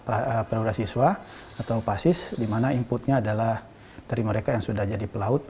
ada perwira siswa atau pasis di mana inputnya adalah dari mereka yang sudah jadi pelaut